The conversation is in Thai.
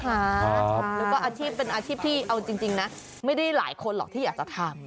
แล้วก็อาชีพเป็นอาชีพที่เอาจริงนะไม่ได้หลายคนหรอกที่อยากจะทำ